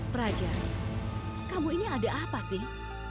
praja kamu ini ada apa sih